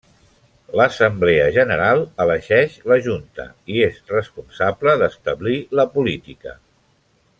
L'Assemblea General elegeix la Junta i és responsable d'establir la política.